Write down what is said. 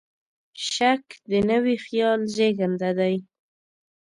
شک د نوي خیال زېږنده دی.